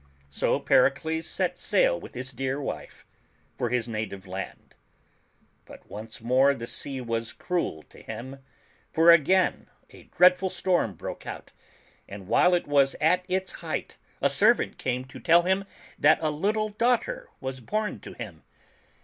So Pericles set sail with his dear wife for his native land. But once more the sea was cruel to him, for again a dreadful storm broke out, and while it was at its height, a servant came to tell him that a little daughter was born to him.